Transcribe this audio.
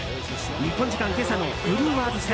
日本時間今朝のブルワーズ戦。